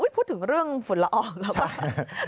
พูดถึงเรื่องฝุ่นละอองหรือเปล่า